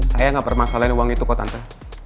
saya gak bermasalahin uang itu kok tante